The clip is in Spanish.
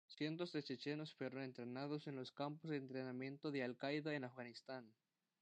Cientos de chechenos fueron entrenados en los campos de entrenamientos de Al-Qaeda en Afganistán.